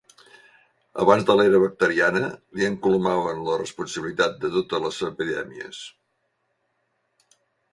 Abans de l'era bacteriana li encolomaven la responsabilitat de totes les epidèmies.